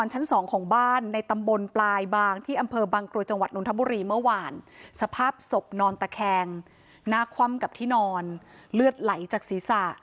หน้าคว่ำกับที่นอนเลือดไหลจากศีรษะ